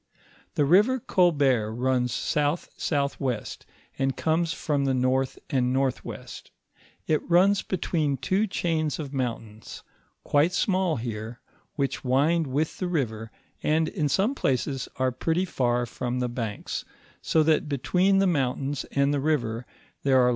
The Itiver Colbert runs south southwest, and comes from the north and northwest; it runs between two chains of mountains, quite small here, which wind with the river, and in some places are pretty far from the banks, so that between the mountains and the river, there are large prairies, where you often see herds of wild cattle browsing.